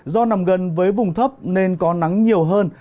do nằm gần với vùng thấp nên có nắng nhiều hơn